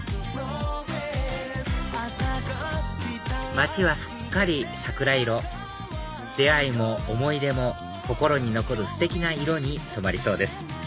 街はすっかり桜色出会いも思い出も心に残るステキな色に染まりそうです